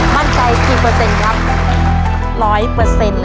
มั่นใจกี่เปอร์เซ็นต์ครับ